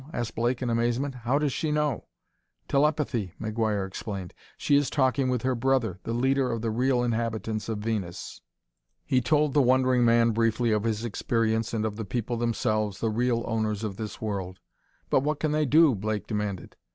asked Blake in amazement. "How does she know?" "Telepathy," McGuire explained: "she is talking with her brother, the leader of the real inhabitants of Venus." He told the wondering man briefly of his experience and of the people themselves, the real owners of this world. "But what can they do?" Blake demanded.